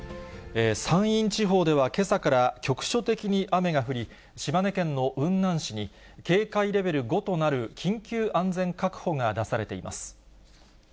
山陰地方では、けさから局所的に雨が降り、島根県の雲南市に警戒レベル５となる緊急安全確保が出されています。